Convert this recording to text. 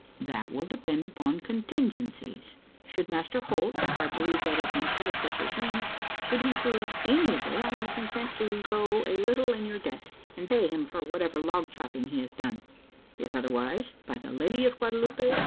"That will depend upon contingencies. Should Master Holt for I believe that is my predecessor's name should he prove amiable, I may consent to go a little in your debt, and pay him for whatever log chopping he has done. If otherwise, by the Lady of Guadalupe!